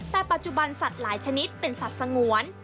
แต่ปัจจุบันสัตว์หลายชนิดเป็นสัตว์สงวน